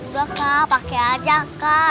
udah kah pakai aja kak